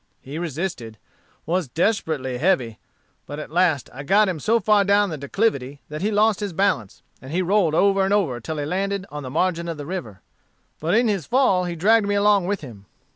He resisted, was desperate heavy; but at last I got him so far down the declivity that he lost his balance, and he rolled over and over till he landed on the margin of the river; but in his fall he dragged me along with him.